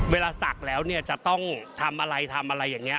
เวลาสักแล้วจะต้องทำอะไรอย่างนี้